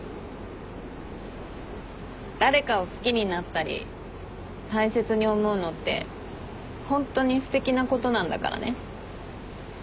誰かを好きになったり大切に思うのってホントにすてきなことなんだからね。